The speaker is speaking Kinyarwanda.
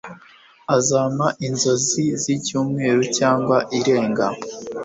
azampa inzozi zicyumweru cyangwa irenga